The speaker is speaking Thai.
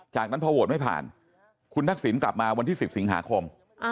จากนั้นพอโหวตไม่ผ่านคุณทักษิณกลับมาวันที่๑๐สิงหาคม